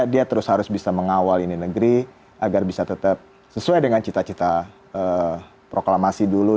dia terus harus bisa mengawal ini negeri agar bisa tetap sesuai dengan cita cita proklamasi dulu